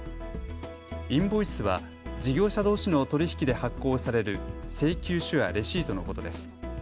インボイスは事業者どうしの取り引きで発行される請求書やレシートのことです。